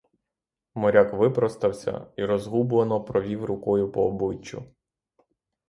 Моряк випростався і розгублено провів рукою по обличчю.